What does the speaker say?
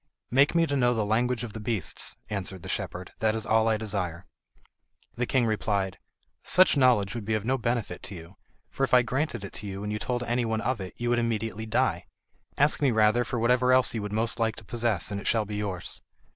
"Make me to know the language of beasts," answered the shepherd, "that is all I desire." The king replied: "Such knowledge would be of no benefit to you, for if I granted it to you and you told any one of it, you would immediately die; ask me rather for whatever else you would most like to possess, and it shall be yours."